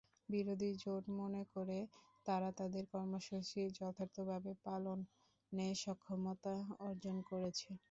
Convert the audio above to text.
বিরোধী জোট মনে করে, তারা তাদের কর্মসূচি যথার্থভাবে পালনে সক্ষমতা অর্জন করেছে।